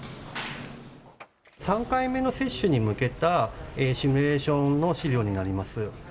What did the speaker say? ３回目の接種に向けたシミュレーションの資料です。